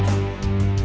saya yang menang